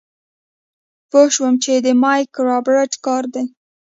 پوه شوم چې د مايک رابرټ کار دی.